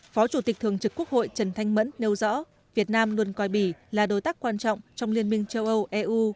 phó chủ tịch thường trực quốc hội trần thanh mẫn nêu rõ việt nam luôn coi bỉ là đối tác quan trọng trong liên minh châu âu eu